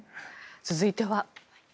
続いては。